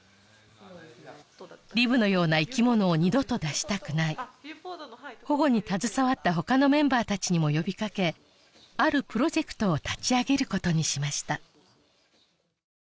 リブのような生き物を二度と出したくない保護に携わったほかのメンバーたちにも呼びかけあるプロジェクトを立ち上げることにしました